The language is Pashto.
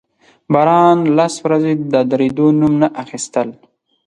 باران لس ورځې د درېدو نوم نه اخيستل.